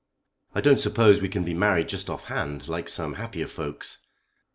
I don't suppose we can be married just off hand, like some happier folks."